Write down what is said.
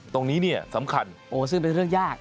ตรงนี้เนี่ยสำคัญโอ้ซึ่งเป็นเรื่องยาก